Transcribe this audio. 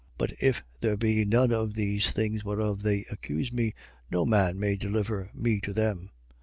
But if there be none of these things whereof they accuse me, no man may deliver me to them.